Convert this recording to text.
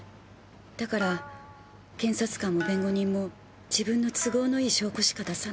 だから検察官も弁護人も自分の都合のいい証拠しか出さない。